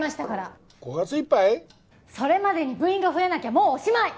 それまでに部員が増えなきゃもうおしまい！